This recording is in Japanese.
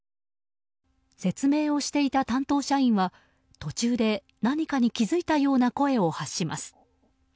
説明をしていた担当社員は途中で何かに気付いたような声を発します。